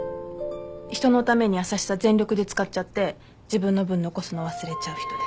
人のために優しさ全力で使っちゃって自分の分残すの忘れちゃう人で。